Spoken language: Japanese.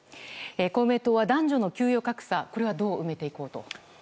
公明党は男女の給与格差はどう埋めていこうと。